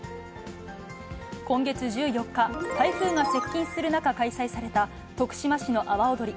今月１４日、台風が接近する中、開催された徳島市の阿波おどり。